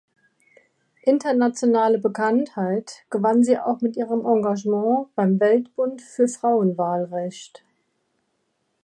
Internationale Bekanntheit gewann sie auch mit ihrem Engagement beim „Weltbund für Frauenwahlrecht“.